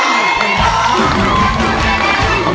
ร้องได้ให้ร้อง